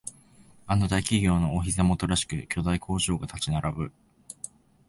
あの大企業のお膝元らしく巨大工場が立ち並ぶ